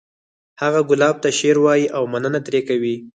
هغه ګلاب ته شعر وایی او مننه ترې کوي